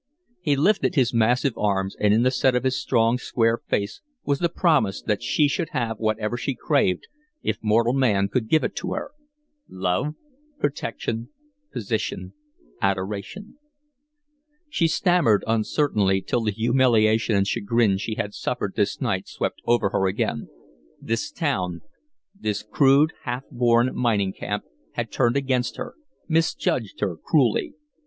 He lifted his massive arms, and in the set of his strong, square face was the promise that she should have whatever she craved if mortal man could give it to her love, protection, position, adoration. She stammered uncertainly till the humiliation and chagrin she had suffered this night swept over her again. This town this crude, half born mining camp had turned against her, misjudged her cruelly.